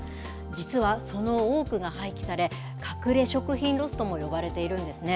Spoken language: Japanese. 実は、その多くが廃棄され、隠れ食品ロスとも呼ばれているんですね。